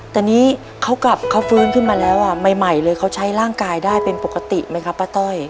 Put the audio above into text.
แต่นี้เขากลับเขาฟื้นขึ้นมาแล้วอ่ะใหม่เลยเขาใช้ร่างกายได้เป็นปกติไหมครับป้าต้อย